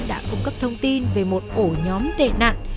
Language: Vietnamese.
đã cung cấp thông tin về một ổ nhóm tệ nạn